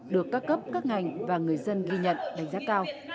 được các cấp các ngành và người dân ghi nhận đánh giá cao